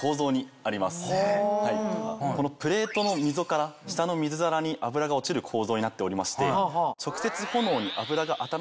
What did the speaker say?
このプレートの溝から下の水皿に脂が落ちる構造になっておりまして直接。